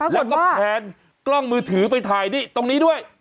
แล้วก็แพนกล้องมือถือไปถ่ายนี่ตรงนี้ด้วย